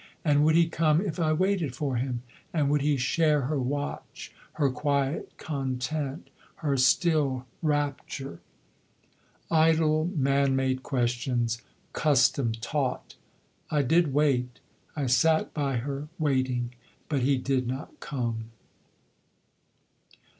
And would he come if I waited for him? And would he share her watch, her quiet content, her still rapture? Idle, man made questions, custom taught! I did wait. I sat by her waiting. But he did not come.